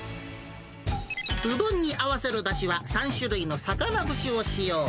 うどんに合わせるだしは３種類の魚節を使用。